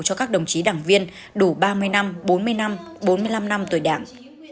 cho các đồng chí đảng viên đủ ba mươi năm bốn mươi năm bốn mươi năm năm tuổi đảng